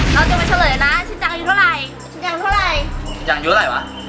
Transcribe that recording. เราจะไปเฉลยนะชิ้นจังอายุเท่าไหร่